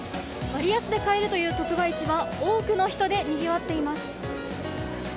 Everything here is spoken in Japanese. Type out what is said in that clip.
割安で買えるという特売市は多くの人でにぎわっています。